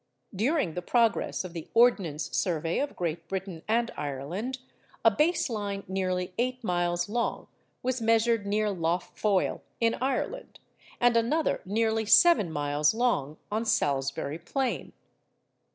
During the progress of the Ordnance Survey of Great Britain and Ireland, a base line nearly eight miles long was measured near Lough Foyle, in Ireland, and another nearly seven miles long on Salisbury Plain.